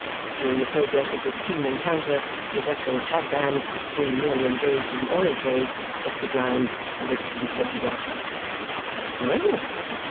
During the progress of this keen encounter, the vessel Chadband, being merely engaged in the oil trade, gets aground and waits to be floated off. "Well!"